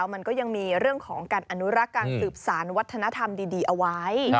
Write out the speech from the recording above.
มันก็ยังมีเรื่องของการอนุรักษ์การสืบสารวัฒนธรรมดีเอาไว้